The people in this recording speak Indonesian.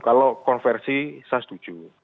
kalau konversi saya setuju